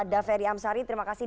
daveri amsari terima kasih